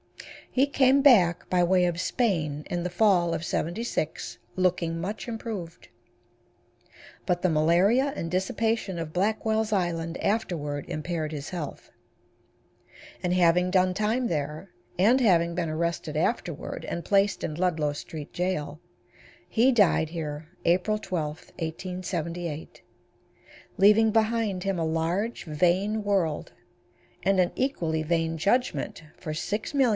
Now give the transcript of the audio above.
He came back by way of Spain, in the fall of '76, looking much improved. But the malaria and dissipation of Blackwell's Island afterward impaired his health, and having done time there, and having been arrested afterward and placed in Ludlow Street Jail, he died here April 12, 1878, leaving behind him a large, vain world, and an equally vain judgment for $6,537,117.